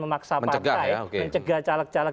memaksa partai mencegah caleg caleg